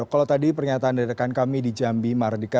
kalau tadi pernyataan dari rekan kami di jambi mardika